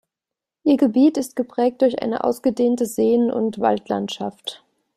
Ihr Gebiet ist geprägt durch eine ausgedehnte Seen- und Waldlandschaft.